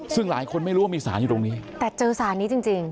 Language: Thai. ซึ่งหลายคนไม่รู้ว่ามีสารอยู่ตรงนี้แต่เจอสารนี้จริงจริง